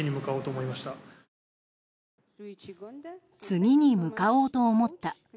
「次に向かおうと思った」。